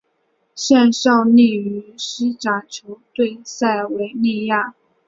现效力于西甲球队塞维利亚。